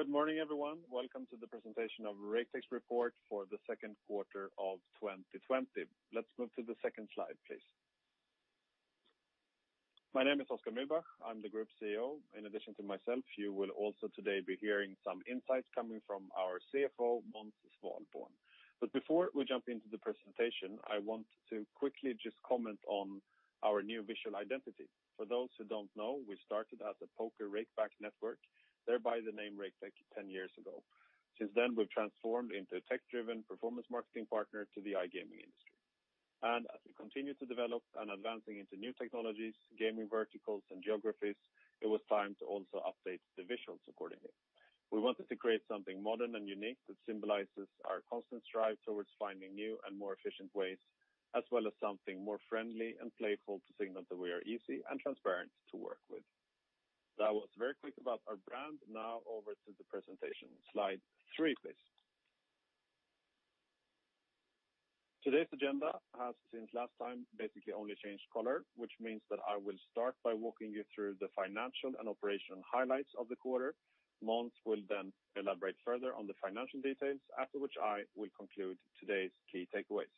Good morning, everyone. Welcome to the presentation of Raketech's report for the second quarter of 2020. Let's move to the second slide, please. My name is Oskar Mühlbach. I'm the Group CEO. In addition to myself, you will also today be hearing some insights coming from our CFO, Måns Svalborn. But before we jump into the presentation, I want to quickly just comment on our new visual identity. For those who don't know, we started as a Poker Rakeback Network, thereby the name Raketech 10 years ago. Since then, we've transformed into a tech-driven performance marketing partner to the iGaming industry, and as we continue to develop and advance into new technologies, gaming verticals, and geographies, it was time to also update the visuals accordingly. We wanted to create something modern and unique that symbolizes our constant strive towards finding new and more efficient ways, as well as something more friendly and playful to signal that we are easy and transparent to work with. That was very quick about our brand. Now, over to the presentation. Slide three, please. Today's agenda has, since last time, basically only changed color, which means that I will start by walking you through the financial and operational highlights of the quarter. Måns will then elaborate further on the financial details, after which I will conclude today's key takeaways.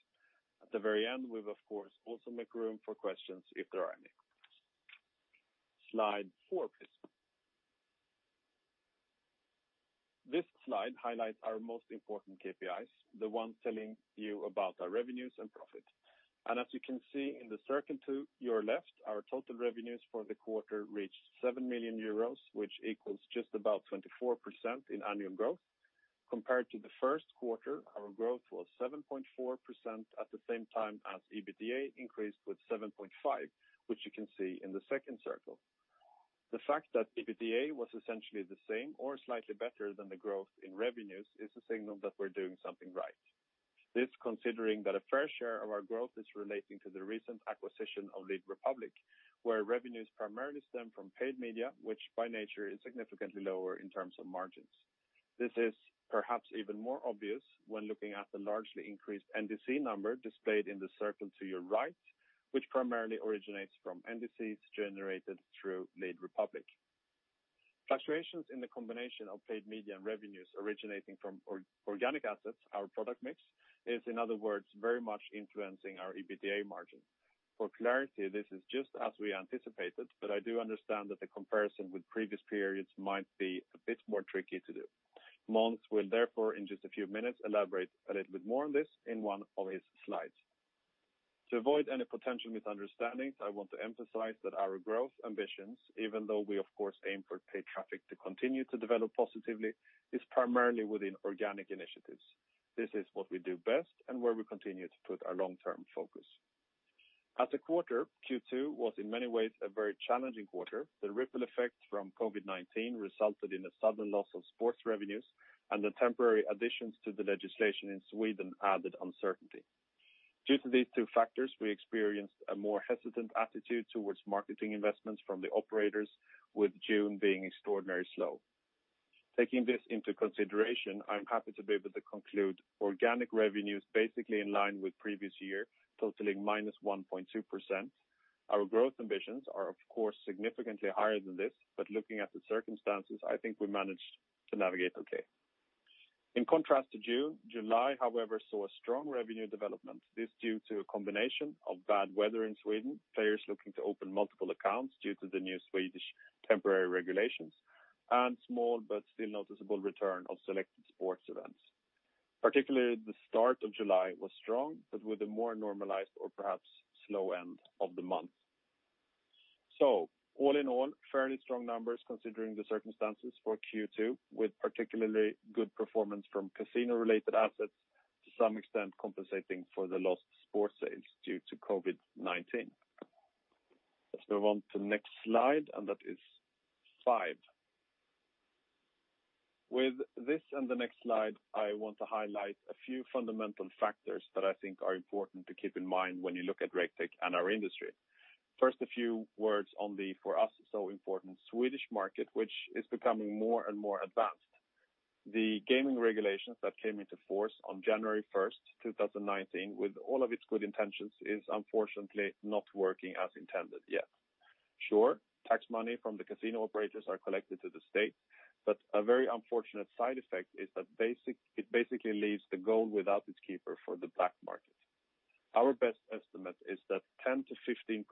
At the very end, we will, of course, also make room for questions if there are any. Slide four, please. This slide highlights our most important KPIs, the ones telling you about our revenues and profit. And as you can see in the circle to your left, our total revenues for the quarter reached 7 million euros, which equals just about 24% in annual growth. Compared to the first quarter, our growth was 7.4% at the same time as EBITDA increased with 7.5%, which you can see in the second circle. The fact that EBITDA was essentially the same or slightly better than the growth in revenues is a signal that we're doing something right. This is considering that a fair share of our growth is relating to the recent acquisition of Lead Republik, where revenues primarily stem from paid media, which by nature is significantly lower in terms of margins. This is perhaps even more obvious when looking at the largely increased NDC number displayed in the circle to your right, which primarily originates from NDCs generated through Lead Republik. Fluctuations in the combination of paid media and revenues originating from organic assets, our product mix, is, in other words, very much influencing our EBITDA margin. For clarity, this is just as we anticipated, but I do understand that the comparison with previous periods might be a bit more tricky to do. Måns will therefore, in just a few minutes, elaborate a little bit more on this in one of his slides. To avoid any potential misunderstandings, I want to emphasize that our growth ambitions, even though we, of course, aim for paid traffic to continue to develop positively, are primarily within organic initiatives. This is what we do best and where we continue to put our long-term focus. As a quarter, Q2 was in many ways a very challenging quarter. The ripple effect from COVID-19 resulted in a sudden loss of sports revenues, and the temporary additions to the legislation in Sweden added uncertainty. Due to these two factors, we experienced a more hesitant attitude towards marketing investments from the operators, with June being extraordinarily slow. Taking this into consideration, I'm happy to be able to conclude organic revenues basically in line with the previous year, totaling -1.2%. Our growth ambitions are, of course, significantly higher than this, but looking at the circumstances, I think we managed to navigate okay. In contrast to June, July, however, saw a strong revenue development. This is due to a combination of bad weather in Sweden, players looking to open multiple accounts due to the new Swedish temporary regulations, and small but still noticeable return of selected sports events. Particularly, the start of July was strong, but with a more normalized or perhaps slow end of the month. So, all in all, fairly strong numbers considering the circumstances for Q2, with particularly good performance from casino-related assets, to some extent compensating for the lost sports sales due to COVID-19. Let's move on to the next slide, and that is five. With this and the next slide, I want to highlight a few fundamental factors that I think are important to keep in mind when you look at Raketech and our industry. First, a few words on the, for us, so important Swedish market, which is becoming more and more advanced. The gaming regulations that came into force on January 1st, 2019, with all of its good intentions, are unfortunately not working as intended yet. Sure, tax money from the casino operators is collected to the state, but a very unfortunate side effect is that it basically leaves the goal without its keeper for the black market. Our best estimate is that 10%-15%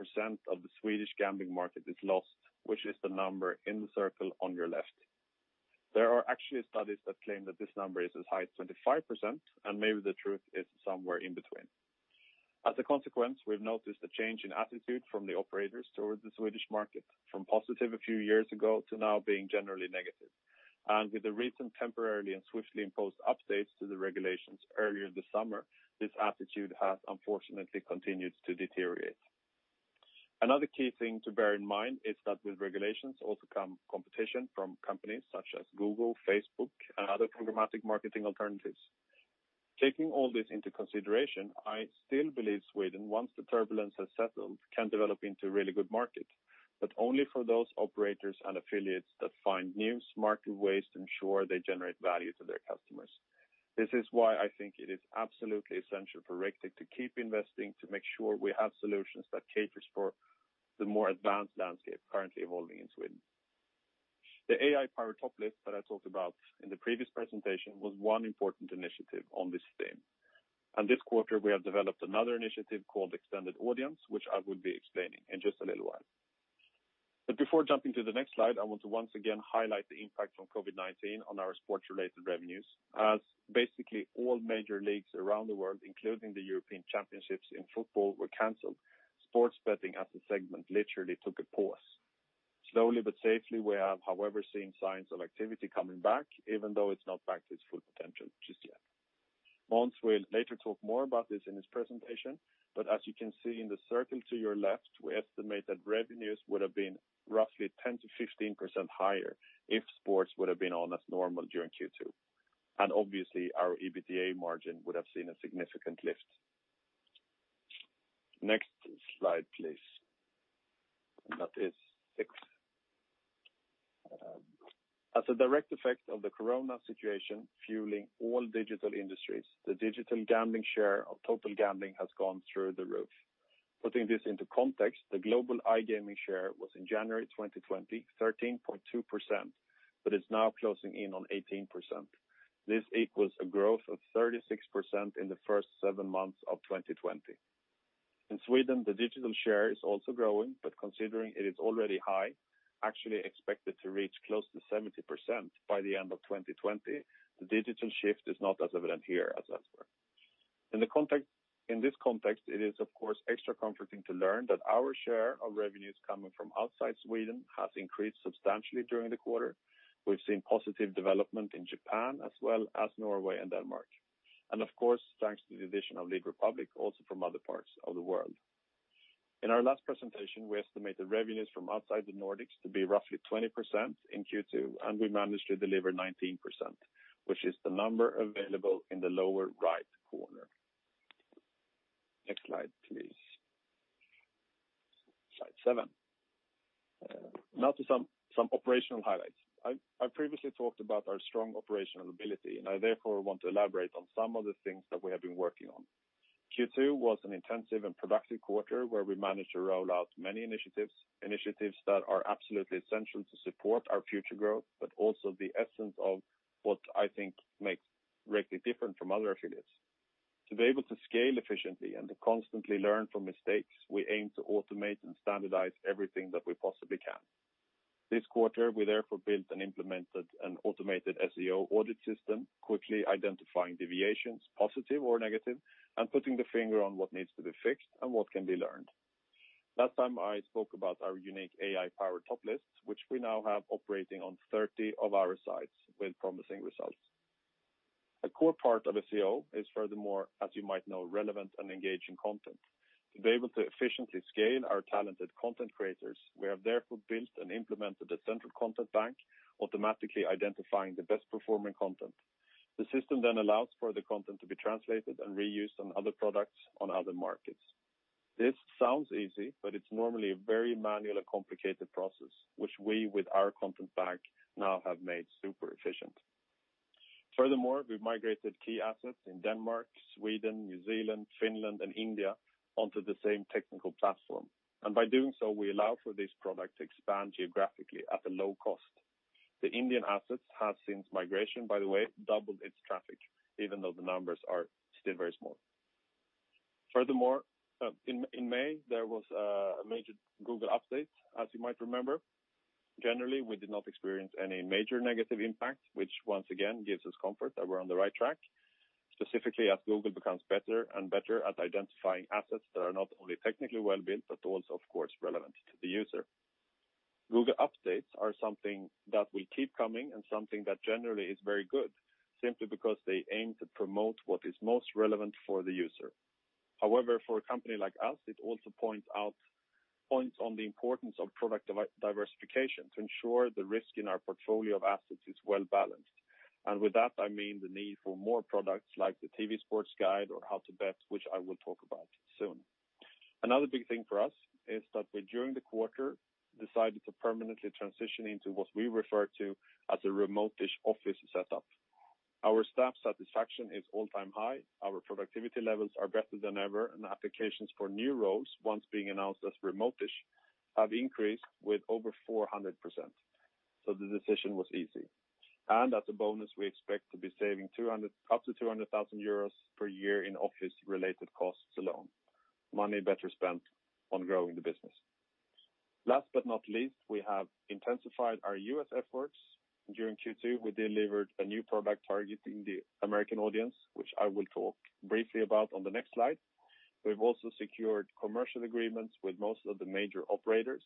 of the Swedish gambling market is lost, which is the number in the circle on your left. There are actually studies that claim that this number is as high as 25%, and maybe the truth is somewhere in between. As a consequence, we've noticed a change in attitude from the operators towards the Swedish market, from positive a few years ago to now being generally negative, and with the recent temporarily and swiftly imposed updates to the regulations earlier this summer, this attitude has unfortunately continued to deteriorate. Another key thing to bear in mind is that with regulations also comes competition from companies such as Google, Facebook, and other programmatic marketing alternatives. Taking all this into consideration, I still believe Sweden, once the turbulence has settled, can develop into a really good market, but only for those operators and affiliates that find new smart ways to ensure they generate value to their customers. This is why I think it is absolutely essential for Raketech to keep investing to make sure we have solutions that cater for the more advanced landscape currently evolving in Sweden. The AI-powered top list that I talked about in the previous presentation was one important initiative on this theme. And this quarter, we have developed another initiative called Extended Audience, which I will be explaining in just a little while. But before jumping to the next slide, I want to once again highlight the impact from COVID-19 on our sports-related revenues. As basically all major leagues around the world, including the European Championships in football, were canceled, sports betting as a segment literally took a pause. Slowly but safely, we have, however, seen signs of activity coming back, even though it's not back to its full potential just yet. Måns will later talk more about this in his presentation, but as you can see in the circle to your left, we estimate that revenues would have been roughly 10%-15% higher if sports would have been on as normal during Q2. And obviously, our EBITDA margin would have seen a significant lift. Next slide, please. And that is six. As a direct effect of the Corona situation fueling all digital industries, the digital gambling share of total gambling has gone through the roof. Putting this into context, the global iGaming share was in January 2020, 13.2%, but it's now closing in on 18%. This equals a growth of 36% in the first seven months of 2020. In Sweden, the digital share is also growing, but considering it is already high, actually expected to reach close to 70% by the end of 2020, the digital shift is not as evident here as elsewhere. In this context, it is, of course, extra comforting to learn that our share of revenues coming from outside Sweden has increased substantially during the quarter. We've seen positive development in Japan, as well as Norway and Denmark, and of course, thanks to the addition of Lead Republik, also from other parts of the world. In our last presentation, we estimated revenues from outside the Nordics to be roughly 20% in Q2, and we managed to deliver 19%, which is the number available in the lower right corner. Next slide, please. Slide seven. Now to some operational highlights. I've previously talked about our strong operational ability, and I therefore want to elaborate on some of the things that we have been working on. Q2 was an intensive and productive quarter where we managed to roll out many initiatives, initiatives that are absolutely essential to support our future growth, but also the essence of what I think makes Raketech different from other affiliates. To be able to scale efficiently and to constantly learn from mistakes, we aim to automate and standardize everything that we possibly can. This quarter, we therefore built and implemented an automated SEO audit system, quickly identifying deviations, positive or negative, and putting the finger on what needs to be fixed and what can be learned. Last time, I spoke about our unique AI-powered top list, which we now have operating on 30 of our sites with promising results. A core part of SEO is, furthermore, as you might know, relevant and engaging content. To be able to efficiently scale our talented content creators, we have therefore built and implemented a central content bank, automatically identifying the best-performing content. The system then allows for the content to be translated and reused on other products on other markets. This sounds easy, but it's normally a very manual and complicated process, which we, with our content bank, now have made super efficient. Furthermore, we've migrated key assets in Denmark, Sweden, New Zealand, Finland, and India onto the same technical platform and by doing so, we allow for this product to expand geographically at a low cost. The Indian assets have since migration, by the way, doubled its traffic, even though the numbers are still very small. Furthermore, in May, there was a major Google update, as you might remember. Generally, we did not experience any major negative impact, which once again gives us comfort that we're on the right track, specifically as Google becomes better and better at identifying assets that are not only technically well-built, but also, of course, relevant to the user. Google updates are something that will keep coming and something that generally is very good, simply because they aim to promote what is most relevant for the user. However, for a company like us, it also points out points on the importance of product diversification to ensure the risk in our portfolio of assets is well-balanced. And with that, I mean the need for more products like the TV Sports Guide or How to Bet, which I will talk about soon. Another big thing for us is that we, during the quarter, decided to permanently transition into what we refer to as a remote-ish office setup. Our staff satisfaction is all-time high, our productivity levels are better than ever, and applications for new roles, once being announced as remote-ish, have increased with over 400%. So the decision was easy. And as a bonus, we expect to be saving up to 200,000 euros per year in office-related costs alone. Money better spent on growing the business. Last but not least, we have intensified our U.S. efforts. During Q2, we delivered a new product targeting the American audience, which I will talk briefly about on the next slide. We've also secured commercial agreements with most of the major operators.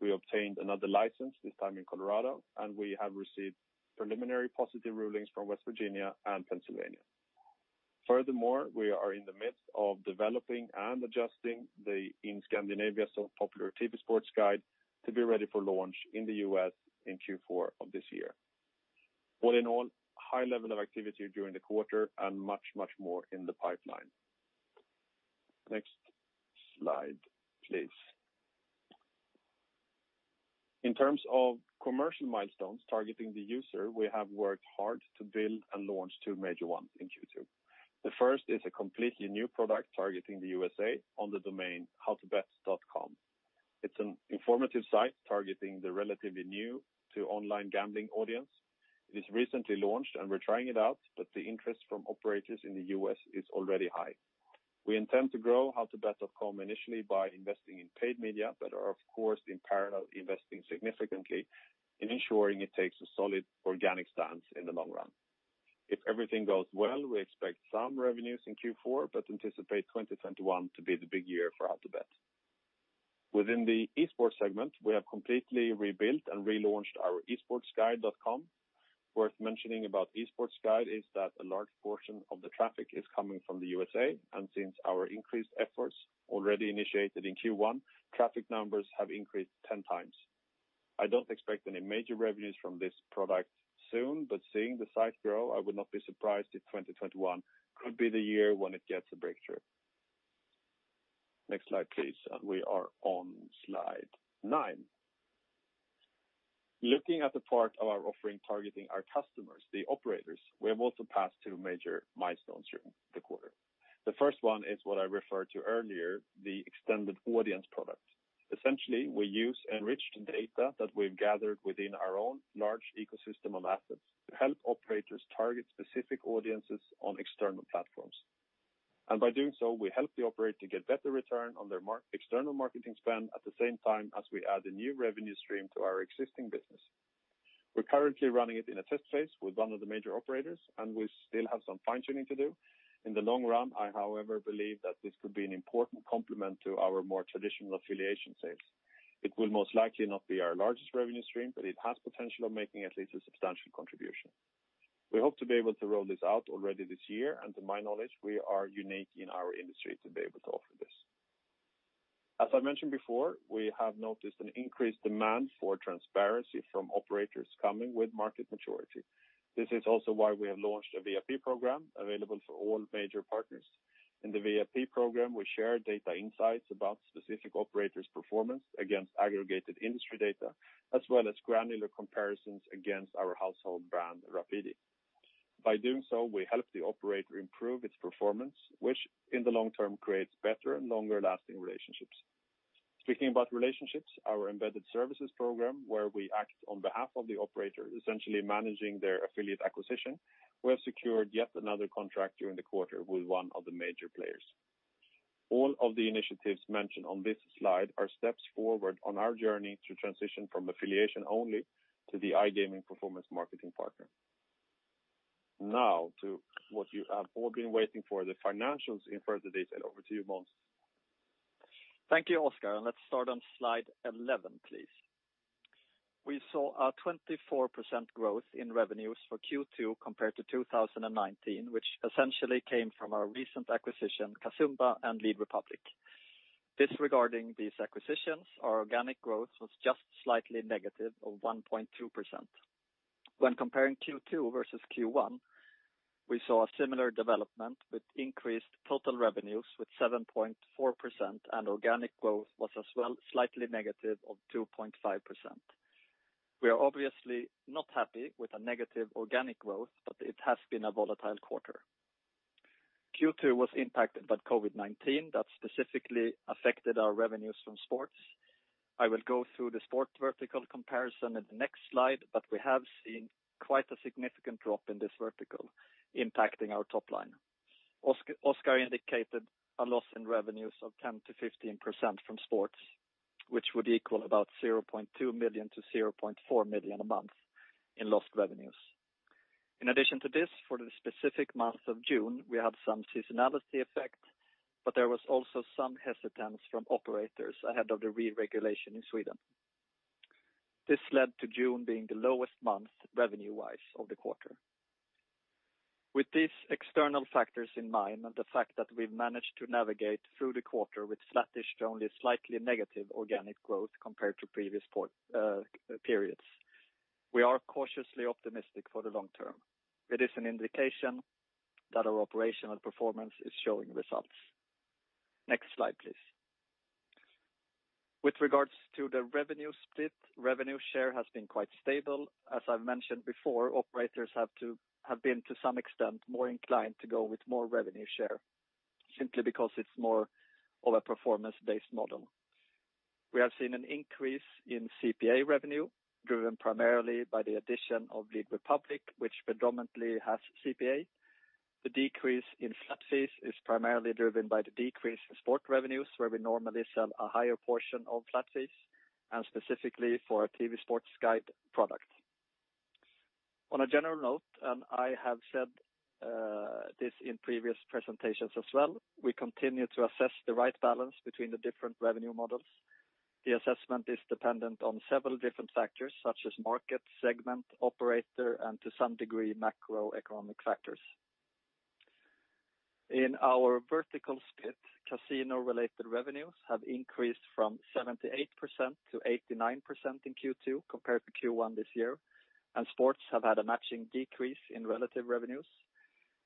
We obtained another license, this time in Colorado, and we have received preliminary positive rulings from West Virginia and Pennsylvania. Furthermore, we are in the midst of developing and adjusting the, in Scandinavia, so popular TV Sports Guide to be ready for launch in the U.S. in Q4 of this year. All in all, high level of activity during the quarter and much, much more in the pipeline. Next slide, please. In terms of commercial milestones targeting the user, we have worked hard to build and launch two major ones in Q2. The first is a completely new product targeting the USA on the domain howtobet.com. It's an informative site targeting the relatively new to online gambling audience. It is recently launched, and we're trying it out, but the interest from operators in the U.S. is already high. We intend to grow howtobet.com initially by investing in paid media, but are, of course, in parallel investing significantly in ensuring it takes a solid organic stance in the long run. If everything goes well, we expect some revenues in Q4, but anticipate 2021 to be the big year for How to Bet. Within the e-sports segment, we have completely rebuilt and relaunched our esportsguide.com. Worth mentioning about esportsguide is that a large portion of the traffic is coming from the USA, and since our increased efforts already initiated in Q1, traffic numbers have increased 10 times. I don't expect any major revenues from this product soon, but seeing the site grow, I would not be surprised if 2021 could be the year when it gets a breakthrough. Next slide, please. And we are on slide nine. Looking at the part of our offering targeting our customers, the operators, we have also passed two major milestones during the quarter. The first one is what I referred to earlier, the Extended Audience product. Essentially, we use enriched data that we've gathered within our own large ecosystem of assets to help operators target specific audiences on external platforms. And by doing so, we help the operator get better return on their external marketing spend at the same time as we add a new revenue stream to our existing business. We're currently running it in a test phase with one of the major operators, and we still have some fine-tuning to do. In the long run, I, however, believe that this could be an important complement to our more traditional affiliation sales. It will most likely not be our largest revenue stream, but it has potential of making at least a substantial contribution. We hope to be able to roll this out already this year, and to my knowledge, we are unique in our industry to be able to offer this. As I mentioned before, we have noticed an increased demand for transparency from operators coming with market maturity. This is also why we have launched a VIP program available for all major partners. In the VIP program, we share data insights about specific operators' performance against aggregated industry data, as well as granular comparisons against our household brand, Rapidi. By doing so, we help the operator improve its performance, which in the long term creates better and longer-lasting relationships. Speaking about relationships, our embedded services program, where we act on behalf of the operator, essentially managing their affiliate acquisition, we have secured yet another contract during the quarter with one of the major players. All of the initiatives mentioned on this slide are steps forward on our journey to transition from affiliation only to the iGaming performance marketing partner. Now to what you have all been waiting for, the financials in further detail over to you, Måns. Thank you, Oskar. And let's start on slide 11, please. We saw a 24% growth in revenues for Q2 compared to 2019, which essentially came from our recent acquisition, Casumba, and Lead Republik. Disregarding these acquisitions, our organic growth was just slightly negative of 1.2%. When comparing Q2 versus Q1, we saw a similar development with increased total revenues with 7.4%, and organic growth was as well slightly negative of 2.5%. We are obviously not happy with a negative organic growth, but it has been a volatile quarter. Q2 was impacted by COVID-19 that specifically affected our revenues from sports. I will go through the sports vertical comparison in the next slide, but we have seen quite a significant drop in this vertical, impacting our top line. Oskar indicated a loss in revenues of 10%-15% from sports, which would equal about 0.2 million-0.4 million a month in lost revenues. In addition to this, for the specific month of June, we had some seasonality effect, but there was also some hesitance from operators ahead of the re-regulation in Sweden. This led to June being the lowest month revenue-wise of the quarter. With these external factors in mind and the fact that we've managed to navigate through the quarter with sluggish to only slightly negative organic growth compared to previous periods, we are cautiously optimistic for the long term. It is an indication that our operational performance is showing results. Next slide, please. With regards to the revenue split, revenue share has been quite stable. As I've mentioned before, operators have been to some extent more inclined to go with more revenue share, simply because it's more of a performance-based model. We have seen an increase in CPA revenue, driven primarily by the addition of Lead Republik, which predominantly has CPA. The decrease in flat fees is primarily driven by the decrease in sports revenues, where we normally sell a higher portion of flat fees, and specifically for our TV Sports Guide product. On a general note, and I have said this in previous presentations as well, we continue to assess the right balance between the different revenue models. The assessment is dependent on several different factors, such as market, segment, operator, and to some degree, macroeconomic factors. In our vertical split, casino-related revenues have increased from 78%-89% in Q2 compared to Q1 this year, and sports have had a matching decrease in relative revenues.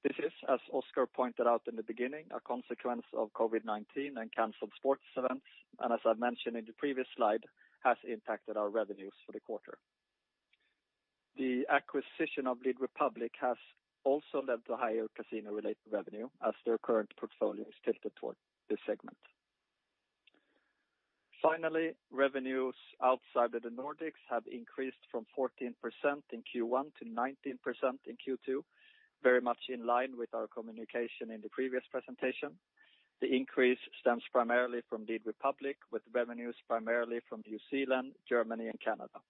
This is, as Oskar pointed out in the beginning, a consequence of COVID-19 and canceled sports events, and as I've mentioned in the previous slide, has impacted our revenues for the quarter. The acquisition of Lead Republik has also led to higher casino-related revenue, as their current portfolio is tilted toward this segment. Finally, revenues outside of the Nordics have increased from 14% in Q1 to 19% in Q2, very much in line with our communication in the previous presentation. The increase stems primarily from Lead Republik, with revenues primarily from New Zealand, Germany, and Canada.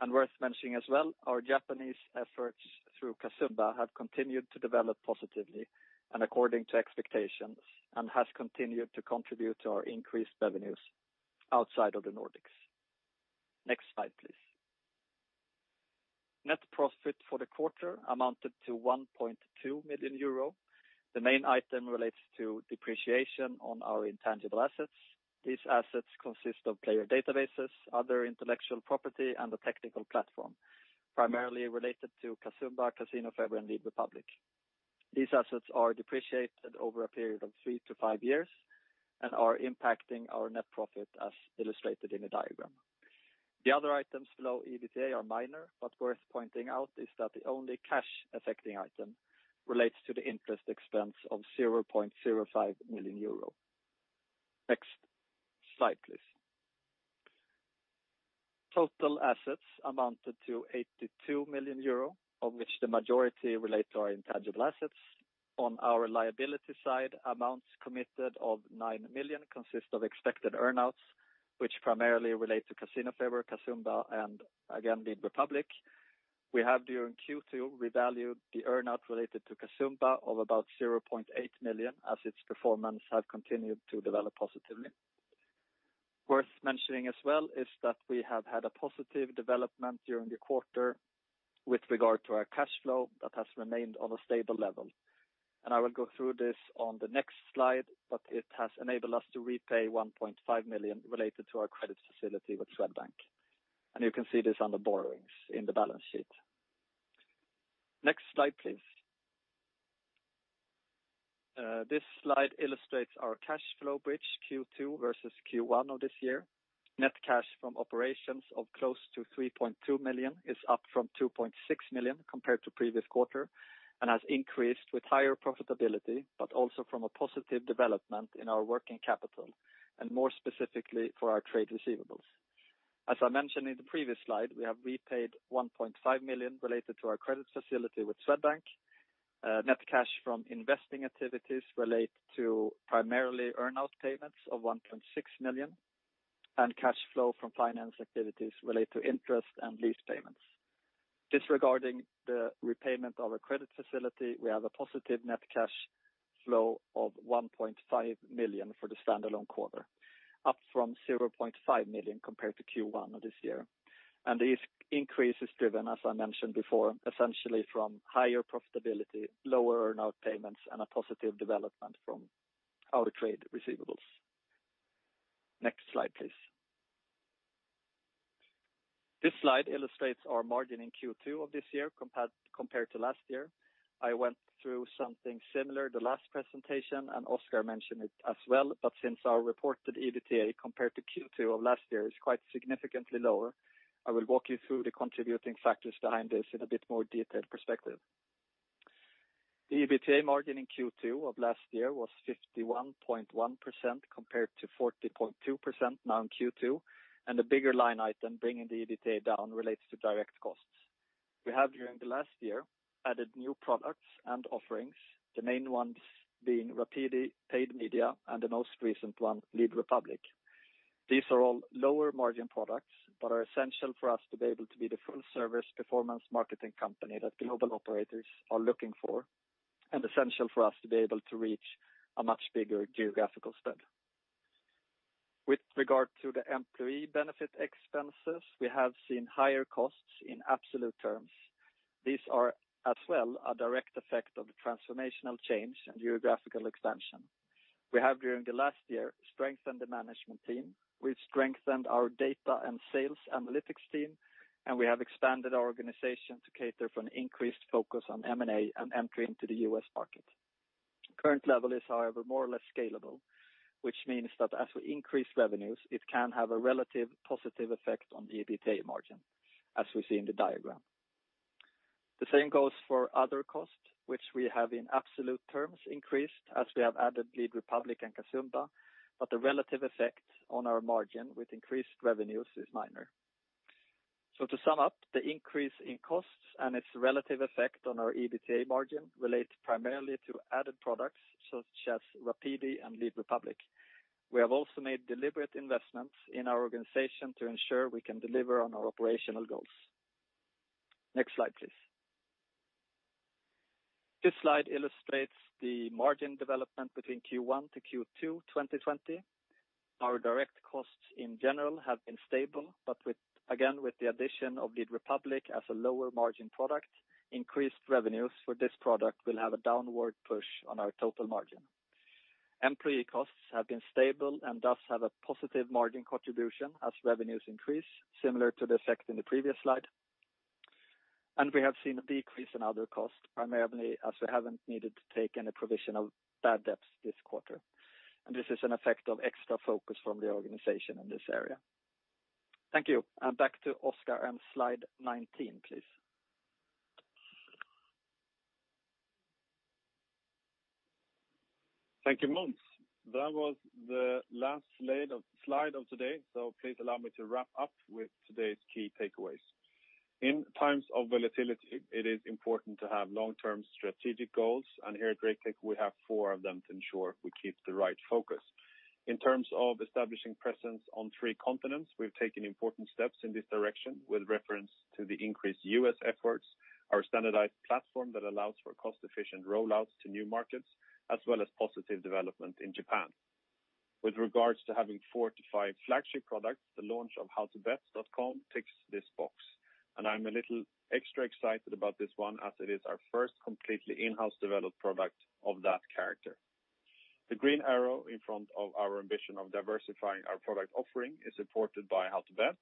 And worth mentioning as well, our Japanese efforts through Casumba have continued to develop positively and according to expectations, and has continued to contribute to our increased revenues outside of the Nordics. Next slide, please. Net profit for the quarter amounted to 1.2 million euro. The main item relates to depreciation on our intangible assets. These assets consist of player databases, other intellectual property, and a technical platform, primarily related to Casumba, Casinofeber, and Lead Republik. These assets are depreciated over a period of three to five years and are impacting our net profit, as illustrated in the diagram. The other items below EBITDA are minor, but worth pointing out is that the only cash-affecting item relates to the interest expense of 0.05 million euro. Next slide, please. Total assets amounted to 82 million euro, of which the majority relate to our intangible assets. On our liability side, amounts committed of 9 million consist of expected earnouts, which primarily relate to Casinofeber, Casumba, and again, Lead Republik. We have, during Q2, revalued the earnout related to Casumba of about 0.8 million, as its performance has continued to develop positively. Worth mentioning as well is that we have had a positive development during the quarter with regard to our cash flow that has remained on a stable level, and I will go through this on the next slide, but it has enabled us to repay 1.5 million related to our credit facility with Swedbank. And you can see this under borrowings in the balance sheet. Next slide, please. This slide illustrates our cash flow bridge Q2 versus Q1 of this year. Net cash from operations of close to 3.2 million is up from 2.6 million compared to previous quarter and has increased with higher profitability, but also from a positive development in our working capital and more specifically for our trade receivables. As I mentioned in the previous slide, we have repaid 1.5 million related to our credit facility with Swedbank. Net cash from investing activities relates to primarily earnout payments of 1.6 million and cash flow from finance activities related to interest and lease payments. Disregarding the repayment of a credit facility, we have a positive net cash flow of 1.5 million for the standalone quarter, up from 0.5 million compared to Q1 of this year. And the increase is driven, as I mentioned before, essentially from higher profitability, lower earnout payments, and a positive development from our trade receivables. Next slide, please. This slide illustrates our margin in Q2 of this year compared to last year. I went through something similar the last presentation, and Oskar mentioned it as well, but since our reported EBITDA compared to Q2 of last year is quite significantly lower, I will walk you through the contributing factors behind this in a bit more detailed perspective. The EBITDA margin in Q2 of last year was 51.1% compared to 40.2% now in Q2, and the bigger line item bringing the EBITDA down relates to direct costs. We have, during the last year, added new products and offerings, the main ones being Rapidi, Paid Media, and the most recent one, Lead Republik. These are all lower margin products but are essential for us to be able to be the full-service performance marketing company that global operators are looking for and essential for us to be able to reach a much bigger geographical spread. With regard to the employee benefit expenses, we have seen higher costs in absolute terms. These are as well a direct effect of the transformational change and geographical expansion. We have, during the last year, strengthened the management team. We've strengthened our data and sales analytics team, and we have expanded our organization to cater for an increased focus on M&A and entry into the U.S. market. Current level is, however, more or less scalable, which means that as we increase revenues, it can have a relative positive effect on EBITDA margin, as we see in the diagram. The same goes for other costs, which we have in absolute terms increased as we have added Lead Republik and Casumba, but the relative effect on our margin with increased revenues is minor. So, to sum up, the increase in costs and its relative effect on our EBITDA margin relate primarily to added products such as Rapidi and Lead Republik. We have also made deliberate investments in our organization to ensure we can deliver on our operational goals. Next slide, please. This slide illustrates the margin development between Q1 to Q2 2020. Our direct costs in general have been stable, but again, with the addition of Lead Republik as a lower margin product, increased revenues for this product will have a downward push on our total margin. Employee costs have been stable and thus have a positive margin contribution as revenues increase, similar to the effect in the previous slide. We have seen a decrease in other costs, primarily as we haven't needed to take any provision of bad debts this quarter. This is an effect of extra focus from the organization in this area. Thank you. Back to Oskar and slide 19, please. Thank you, Måns. That was the last slide of today, so please allow me to wrap up with today's key takeaways. In times of volatility, it is important to have long-term strategic goals, and here at Raketech, we have four of them to ensure we keep the right focus. In terms of establishing presence on three continents, we've taken important steps in this direction with reference to the increased U.S. efforts, our standardized platform that allows for cost-efficient rollouts to new markets, as well as positive development in Japan. With regards to having four to five flagship products, the launch of howtobet.com ticks this box. And I'm a little extra excited about this one as it is our first completely in-house developed product of that character. The green arrow in front of our ambition of diversifying our product offering is supported by How to Bet,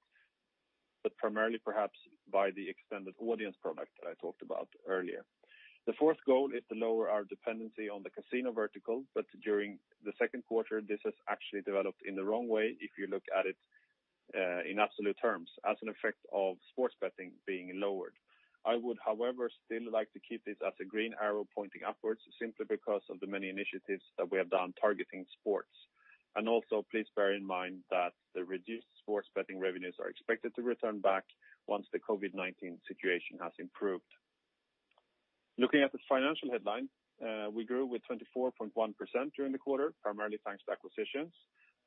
but primarily perhaps by the Extended Audience product that I talked about earlier. The fourth goal is to lower our dependency on the casino vertical, but during the second quarter, this has actually developed in the wrong way if you look at it in absolute terms, as an effect of sports betting being lowered. I would, however, still like to keep this as a green arrow pointing upwards simply because of the many initiatives that we have done targeting sports. And also, please bear in mind that the reduced sports betting revenues are expected to return back once the COVID-19 situation has improved. Looking at the financial headline, we grew with 24.1% during the quarter, primarily thanks to acquisitions.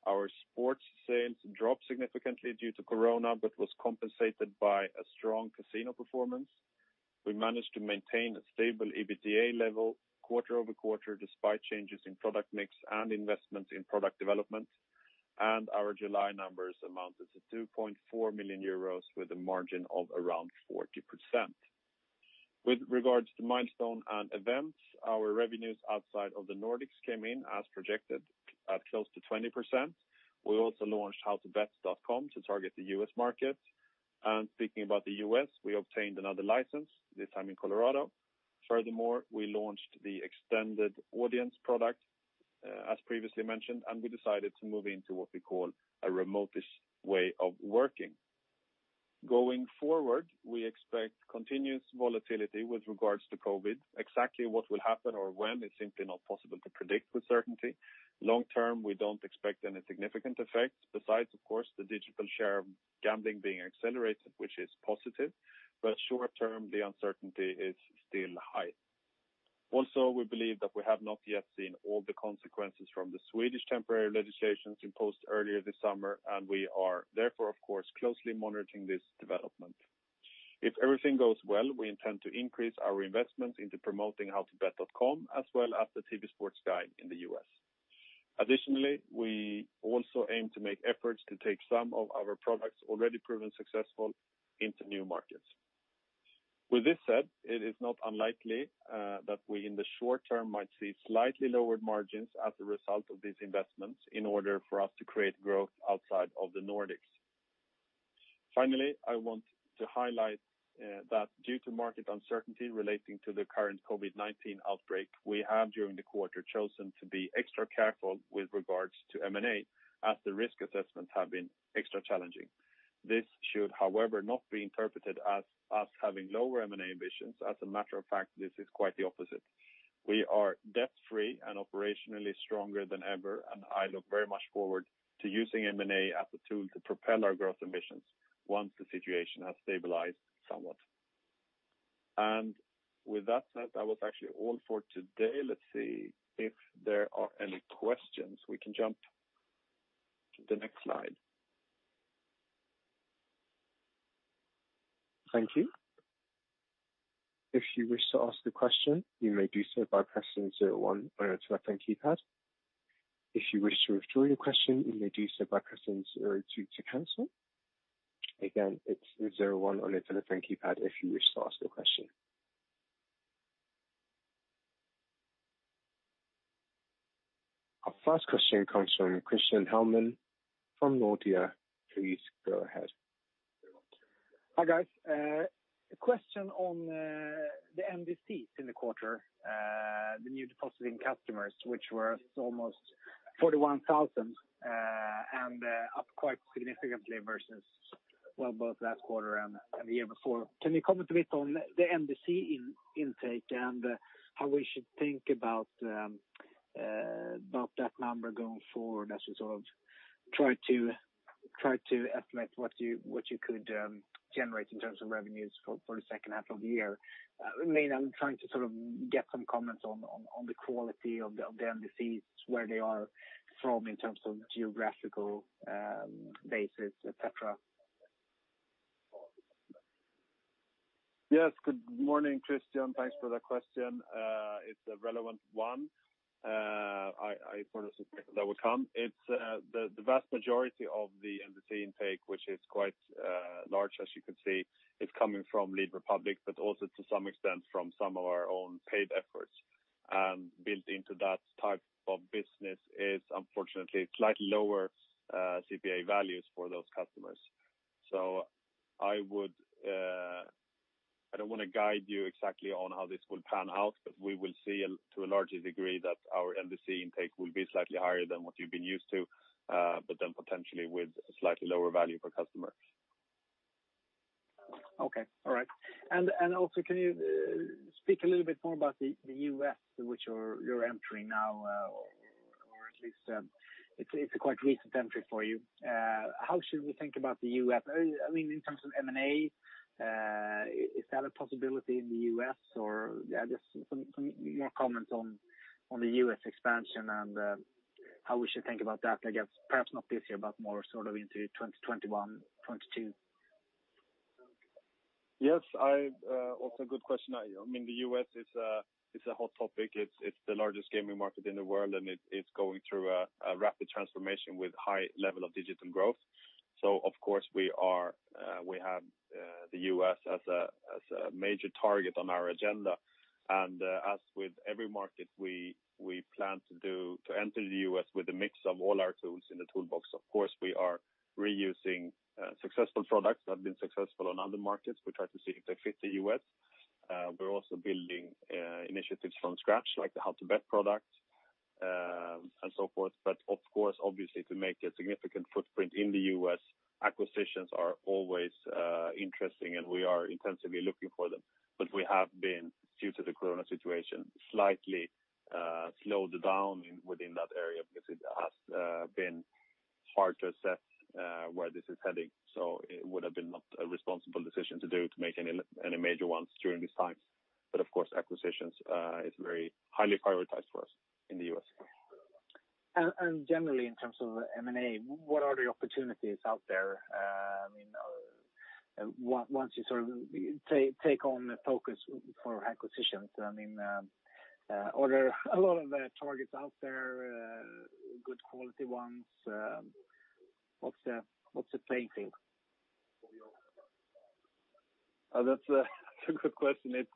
Our sports sales dropped significantly due to Corona but was compensated by a strong casino performance. We managed to maintain a stable EBITDA level quarter over quarter despite changes in product mix and investments in product development, and our July numbers amounted to 2.4 million euros with a margin of around 40%. With regards to milestone and events, our revenues outside of the Nordics came in, as projected, at close to 20%. We also launched Howtobet.com to target the U.S. market. And speaking about the U.S., we obtained another license, this time in Colorado. Furthermore, we launched the Extended Audience product, as previously mentioned, and we decided to move into what we call a remote-ish way of working. Going forward, we expect continuous volatility with regards to COVID. Exactly what will happen or when is simply not possible to predict with certainty. Long term, we don't expect any significant effect, besides, of course, the digital share of gambling being accelerated, which is positive, but short term, the uncertainty is still high. Also, we believe that we have not yet seen all the consequences from the Swedish temporary legislation imposed earlier this summer, and we are therefore, of course, closely monitoring this development. If everything goes well, we intend to increase our investments into promoting howtobet.com as well as the TV Sports Guide in the U.S.. Additionally, we also aim to make efforts to take some of our products already proven successful into new markets. With this said, it is not unlikely that we in the short term might see slightly lowered margins as a result of these investments in order for us to create growth outside of the Nordics. Finally, I want to highlight that due to market uncertainty relating to the current COVID-19 outbreak, we have during the quarter chosen to be extra careful with regards to M&A, as the risk assessments have been extra challenging. This should, however, not be interpreted as us having lower M&A ambitions. As a matter of fact, this is quite the opposite. We are debt-free and operationally stronger than ever, and I look very much forward to using M&A as a tool to propel our growth ambitions once the situation has stabilized somewhat. And with that said, that was actually all for today. Let's see if there are any questions. We can jump to the next slide. Thank you. If you wish to ask a question, you may do so by pressing zero one on your telephone keypad. If you wish to withdraw your question, you may do so by pressing zero two to cancel. Again, it's zero one on your telephone keypad if you wish to ask a question. Our first question comes from Christian Hellman from Nordea. Please go ahead. Hi, guys. A question on the NDCs in the quarter, the new depositing customers, which were almost 41,000 and up quite significantly versus, well, both last quarter and the year before. Can you comment a bit on the NDC intake and how we should think about that number going forward as we sort of try to estimate what you could generate in terms of revenues for the second half of the year? I mean, I'm trying to sort of get some comments on the quality of the NDCs, where they are from in terms of geographical basis, etc. Yes. Good morning, Christian. Thanks for that question. It's a relevant one. I sort of suspected that would come. The vast majority of the NDC intake, which is quite large, as you could see, is coming from Lead Republik, but also to some extent from some of our own paid efforts. And built into that type of business is, unfortunately, slightly lower CPA values for those customers. So I don't want to guide you exactly on how this will pan out, but we will see to a large degree that our NDC intake will be slightly higher than what you've been used to, but then potentially with a slightly lower value per customer. Okay. All right. And also, can you speak a little bit more about the U.S., which you're entering now, or at least it's a quite recent entry for you? How should we think about the U.S.? I mean, in terms of M&A, is that a possibility in the U.S., or just some more comments on the U.S. expansion and how we should think about that, I guess, perhaps not this year, but more sort of into 2021, 2022? Yes. Also, good question. I mean, the U.S. is a hot topic. It's the largest gaming market in the world, and it's going through a rapid transformation with a high level of digital growth. So, of course, we have the U.S. as a major target on our agenda. And as with every market, we plan to enter the U.S. with a mix of all our tools in the toolbox. Of course, we are reusing successful products that have been successful on other markets. We try to see if they fit the U.S.. We're also building initiatives from scratch, like the How to Bet product and so forth. But, of course, obviously, to make a significant footprint in the U.S., acquisitions are always interesting, and we are intensively looking for them. But we have been, due to the Corona situation, slightly slowed down within that area because it has been hard to assess where this is heading. So it would have been a responsible decision to do to make any major ones during this time. But, of course, acquisitions is very highly prioritized for us in the U.S.. And generally, in terms of M&A, what are the opportunities out there? I mean, once you sort of take on the focus for acquisitions, I mean, are there a lot of targets out there, good quality ones? What's the playing field? That's a good question.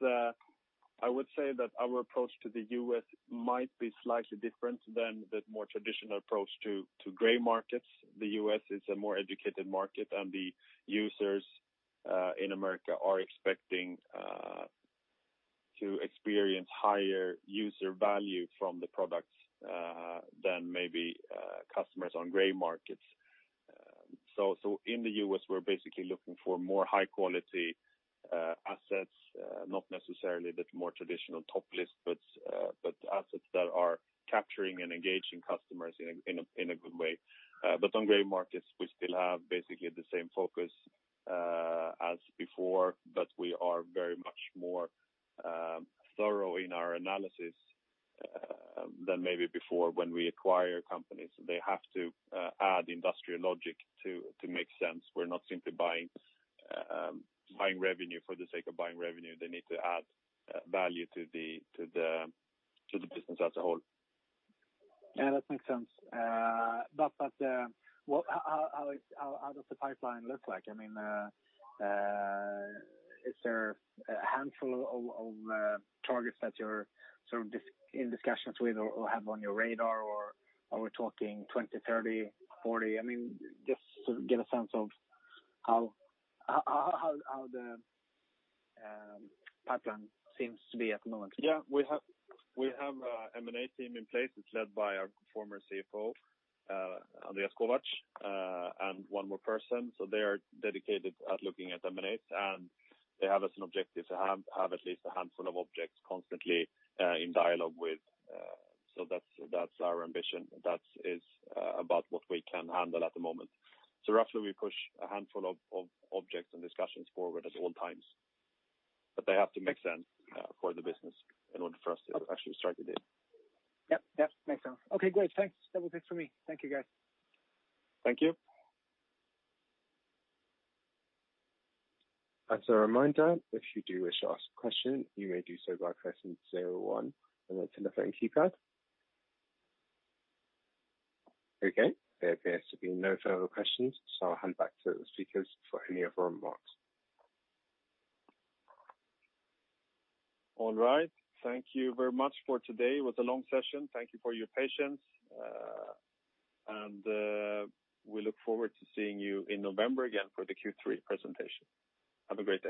I would say that our approach to the U.S. might be slightly different than the more traditional approach to gray markets. The U.S. is a more educated market, and the users in America are expecting to experience higher user value from the products than maybe customers on gray markets. So in the U.S., we're basically looking for more high-quality assets, not necessarily the more traditional top list, but assets that are capturing and engaging customers in a good way. But on gray markets, we still have basically the same focus as before, but we are very much more thorough in our analysis than maybe before when we acquire companies. They have to add industrial logic to make sense. We're not simply buying revenue for the sake of buying revenue. They need to add value to the business as a whole. Yeah, that makes sense. But how does the pipeline look like? I mean, is there a handful of targets that you're sort of in discussions with or have on your radar, or are we talking 20, 30, 40? I mean, just to get a sense of how the pipeline seems to be at the moment. Yeah. We have an M&A team in place. It's led by our former CFO, Andreas Kovacs, and one more person. So they are dedicated at looking at M&As, and they have as an objective to have at least a handful of objects constantly in dialogue with. So that's our ambition. That is about what we can handle at the moment. So roughly, we push a handful of objects and discussions forward at all times, but they have to make sense for the business in order for us to actually start the day. Yep. Yep. Makes sense. Okay. Great. Thanks. That was it for me. Thank you, guys. Thank you. As a reminder, if you do wish to ask a question, you may do so by pressing zero one and then turn the phone keypad. Okay. There appears to be no further questions, so I'll hand back to the speakers for any of our remarks. All right. Thank you very much for today. It was a long session. Thank you for your patience, and we look forward to seeing you in November again for the Q3 presentation. Have a great day.